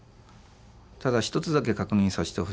「ただ一つだけ確認させてほしい」と。